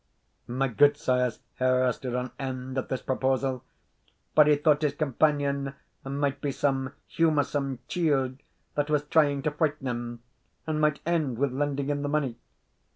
My gudesire's hair stood on end at this proposal, but he thought his companion might be some humoursome chield that was trying to frighten him, and might end with lending him the money.